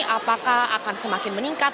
apakah akan semakin meningkat